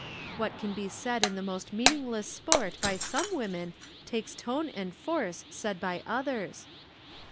What can be said in the most meaningless sport by some women takes tone and force said by others."